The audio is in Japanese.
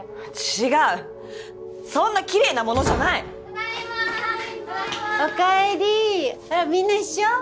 違うそんなキレイなものじゃないただいまお帰りあらみんな一緒？